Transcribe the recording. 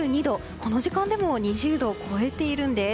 この時間でも２０度を超えているんです。